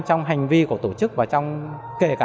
trong hành vi của tổ chức